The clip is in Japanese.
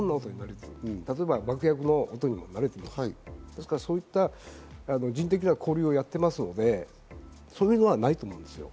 例えば爆薬の音にも慣れている、そういった人的交流をやっていますので、それはないと思うんですね。